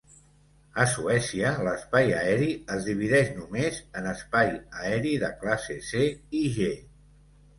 A Suècia, l'espai aeri es divideix només en espai aeri de classe C i G.